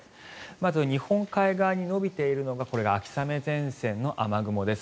まず日本海側に延びているのがこれが秋雨前線の雨雲です。